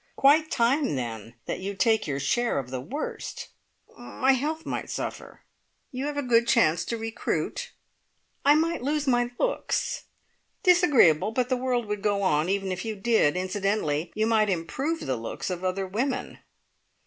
"Quite time, then, that you take your share of the worst!" "My health might suffer " "You have a good chance to recruit." "I might lose my looks " "Disagreeable but the world would go on, even if you did. Incidentally, you might improve the looks of other women!"